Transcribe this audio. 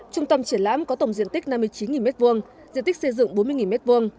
trung tâm triển lãm có tổng diện tích năm mươi chín m hai diện tích xây dựng bốn mươi m hai